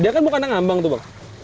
dia kan bukan ada ngambang itu bang